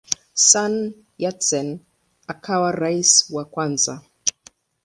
Sun Yat-sen akawa rais wa kwanza.